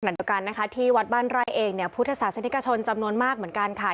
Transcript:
ขณะเดียวกันที่วัดบ้านไร้เองพุทธศาสตร์สนิกชนจำนวนมากเหมือนกัน